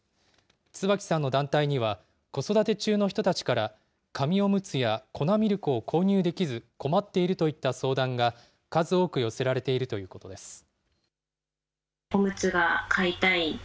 椿さんの団体には、子育て中の人たちから、紙おむつや粉ミルクを購入できず、困っているといった相談が数多く寄せられているということです。